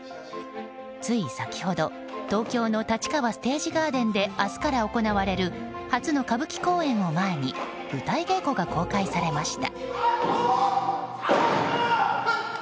つい先ほど東京の立川ステージガーデンで明日から行われる初の歌舞伎公演を前に舞台稽古が公開されました。